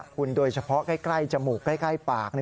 คุณโดยเฉพาะใกล้จมูกใกล้ปาก